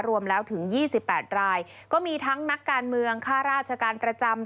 รวมแล้วถึง๒๘รายก็มีทั้งนักการเมืองค่าราชการประจำ